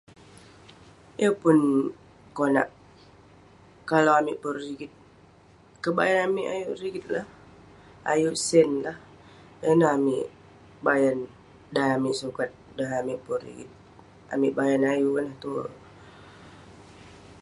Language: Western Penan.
Yeng pun konak kalau amik pun rigit, kebayan amik ayuk rigit lah..ayun sen lah..ineh amik bayan, dan amik sukat dan amik pun rigit. Amik bayan eh ayuk ineh tuerk...